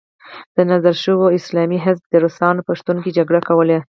د نظار شورا او اسلامي حزب د روسانو په شتون کې جګړې کولې.